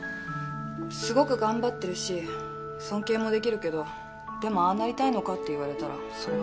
すごく頑張ってるし尊敬もできるけどでもああなりたいのかって言われたらそれはどうかなって。